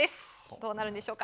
どうなるんでしょうか。